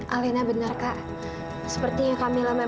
asyik kau ini set flat ini molto ingatan